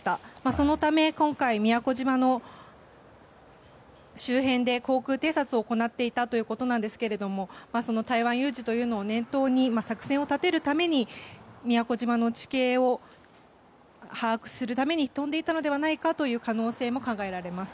そのため今回、宮古島の周辺で航空偵察を行っていたということなんですけれどもその台湾有事というのを念頭に作戦を立てるために宮古島の地形を把握するために飛んでいたのではないかという可能性も考えられます。